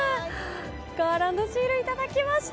ガーランドシールをいただきました。